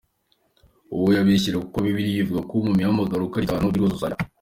Uwo aribeshya kuko Bibiliya ivuga ko mu mihamagaro uko ari itanu biruzuzanya